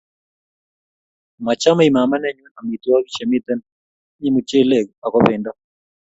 Machamei mama nenyu amitwogik chemiten mimuchelek ago bendo